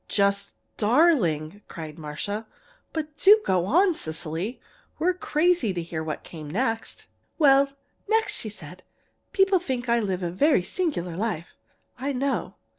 "Just darling!" cried Marcia. "But do go on, Cecily. We're crazy to hear what came next!" "Well, next she said: 'People think I live a very singular life, I know.